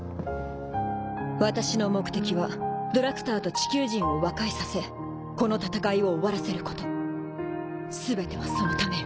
私の目的はドラクターと地球人を和解させ海寮錣い鮟錣蕕擦襪海全てはそのためよ